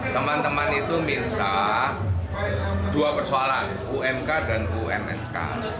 teman teman itu minta dua persoalan umk dan umsk